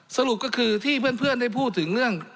สรุปก็คือที่เพื่อนได้พูดถึงเรื่อง